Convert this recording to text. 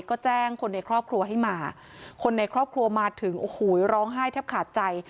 ก็แจ้งคนในครอบครัวให้มาคนในครอบครัวมาถึงโอ้โหร้องไห้แทบขาดใจ